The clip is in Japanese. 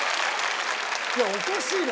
いやおかしいな。